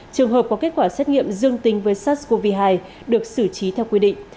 trường hợp có kết quả xét nghiệm dương tính với sars cov hai được xử trí theo quy định